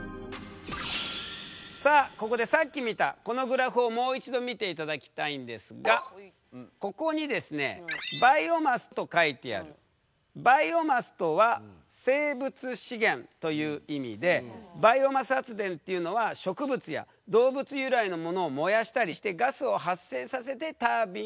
さあここでさっき見たこのグラフをもう一度見ていただきたいんですがここにバイオマスと書いてあるバイオマスとは生物資源という意味でバイオマス発電っていうのははらちゃん意味分かったかな？